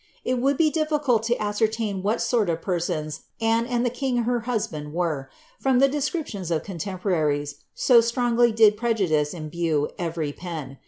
It would be difficult to ascertain what sort of persons Anne and the king, her husband, were, from the descriptions of contemporaries, so strongly did prejudice imbue every pen.